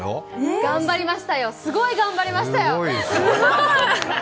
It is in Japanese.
頑張りましたよ、すごい頑張りましたよ。